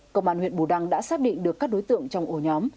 công an huyện bù đăng đã xác định được các đối tượng trong ổ nhóm